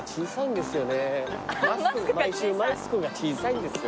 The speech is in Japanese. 毎週マスクが小さいんですよ。